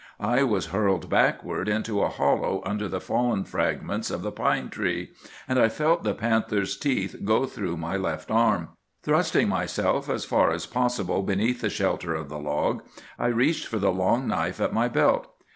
I was hurled backward into a hollow under the fallen fragments of the pine tree, and I felt the panther's teeth go through my left arm. Thrusting myself as far as possible beneath the shelter of the log, I reached for the long knife at my belt.